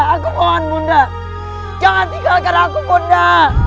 aku mohon bunda jangan tinggalkan aku bunda